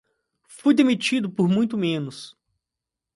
Fui demitido por muito menos